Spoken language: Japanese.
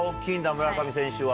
村上選手は。